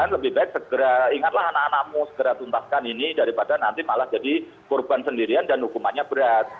lebih baik segera ingatlah anak anakmu segera tuntaskan ini daripada nanti malah jadi korban sendirian dan hukumannya berat